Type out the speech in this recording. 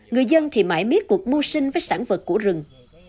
người dân thì mãi miết cuộc mưu sinh với sản vật của rừng